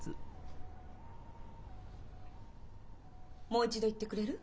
もう一度言ってくれる？